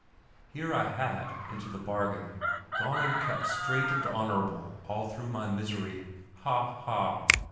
Here I had, into the bargain, gone and kept straight and honourable all through my misery Ha! ha!